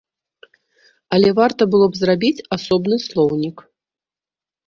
Але варта было б зрабіць асобны слоўнік.